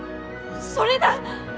それだ！